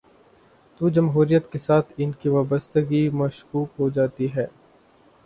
تو جمہوریت کے ساتھ ان کی وابستگی مشکوک ہو جا تی ہے۔